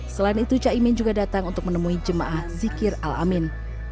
selain itu caimin juga datang untuk menemui jemaah zikir al amin